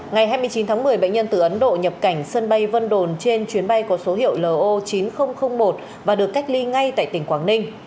ngày hai mươi chín tháng một mươi bệnh nhân từ ấn độ nhập cảnh sân bay vân đồn trên chuyến bay có số hiệu lô chín nghìn một và được cách ly ngay tại tỉnh quảng ninh